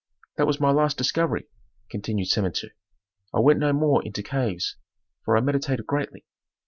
"That was my last discovery," continued Samentu. "I went no more into caves, for I meditated greatly.